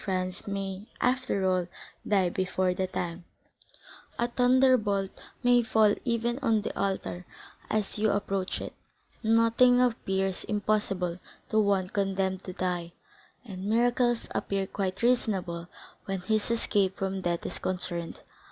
Franz may, after all, die before that time, a thunderbolt may fall even on the altar as you approach it,—nothing appears impossible to one condemned to die, and miracles appear quite reasonable when his escape from death is concerned.